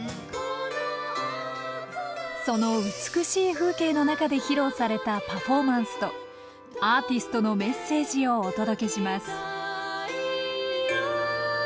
その美しい風景の中で披露されたパフォーマンスとアーティストのメッセージをお届けします